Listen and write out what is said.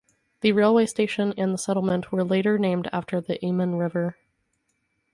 The railway station and settlement were later named after the Iman River.